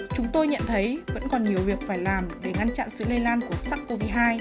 chúng tôi nhận thấy vẫn còn nhiều việc phải làm để ngăn chặn sự lây lan của sars cov hai